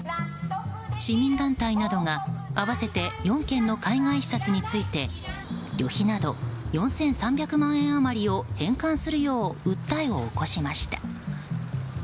市民団体などが合わせて４件の海外視察について旅費など４３００万円余りを返還するよう訴えを起こしました。